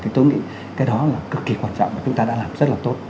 thì tôi nghĩ cái đó là cực kỳ quan trọng mà chúng ta đã làm rất là tốt